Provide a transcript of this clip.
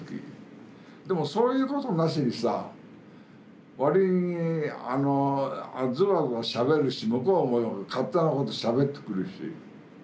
でもそういうことなしにさ割にズバズバしゃべるし向こうも勝手なことしゃべってくるし。